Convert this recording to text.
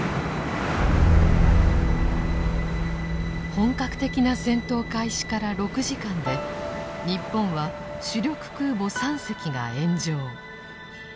本格的な戦闘開始から６時間で日本は主力空母３隻が炎上。